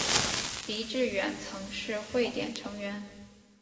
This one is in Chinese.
狄志远曾是汇点成员。